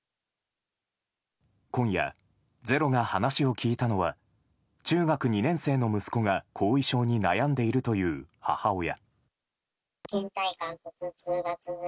今夜、「ｚｅｒｏ」が話を聞いたのは中学２年生の息子が後遺症に悩んでいるという母親。